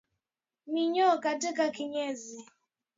Minyoo katika kinyesi